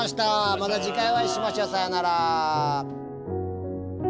また次回お会いしましょう。さようなら。